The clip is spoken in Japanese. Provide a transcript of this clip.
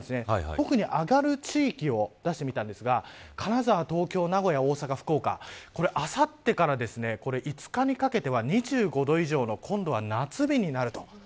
特に上がる地域を出してみたんですが金沢、東京、名古屋大阪、福岡あさってから５日にかけては２５度以上の今度は夏日になると。